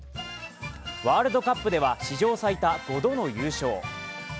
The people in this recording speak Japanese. ワールドカップでは史上最多５度の優勝。